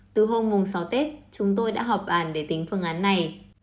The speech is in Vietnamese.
từ hôm sáu tết chúng tôi đã họp bàn để tính phương án này